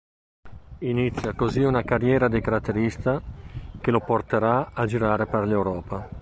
Inizia così una carriera di caratterista che lo porterà a girare per l'Europa.